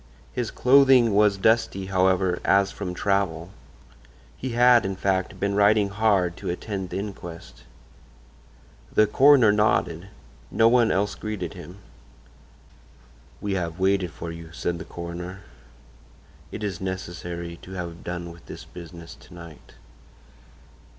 His clothing was dusty, however, as from travel. He had, in fact, been riding hard to attend the inquest. The coroner nodded; no one else greeted him. "We have waited for you," said the coroner. "It is necessary to have done with this business to night."